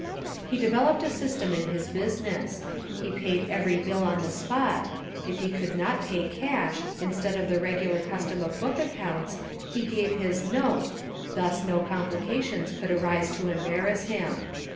He developed a system in his business; he paid every bill on the spot; if he could not pay cash, instead of the regular custom of book accounts, he gave his note, thus no complications could arise to embarrass him.